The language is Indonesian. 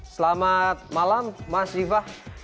selamat malam mas ziva